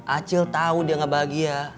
acil tau dia gak bahagia